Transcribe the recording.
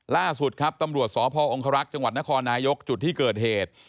ล่าสุดครับตำรวจสพองครักษ์จังหวัดนครนายกจุดที่เกิดเหตุ